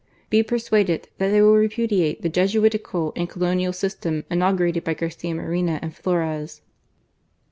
Be persuaded that they will repudiate the Jesuitical and colonial system inaugurated by Garcia Moreno and Flores."